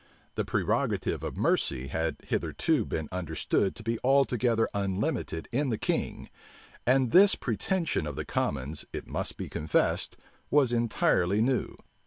The prerogative of mercy had hitherto been understood to be altogether unlimited in the king; and this pretension of the commons, it must be confessed, was entirely new.